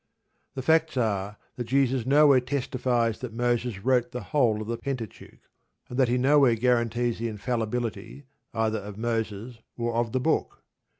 The facts are that Jesus nowhere testifies that Moses wrote the whole of the Pentateuch; and that he nowhere guarantees the infallibility either of Moses or of the book.